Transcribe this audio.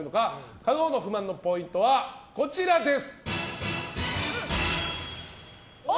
加納の不満のポイントはこちらです。